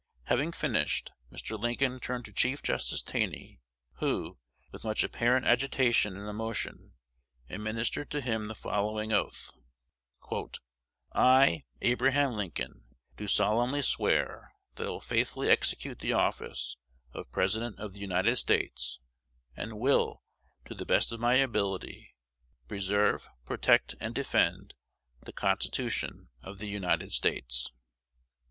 Having finished, Mr. Lincoln turned to Chief Justice Taney, who, with much apparent agitation and emotion, administered to him the following oath: "I, Abraham Lincoln, do solemnly swear that I will faithfully execute the office of President of the United States, and will, to the best of my ability, preserve, protect, and defend the Constitution of the United States."